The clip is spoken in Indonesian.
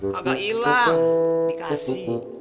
kagak ilang dikasih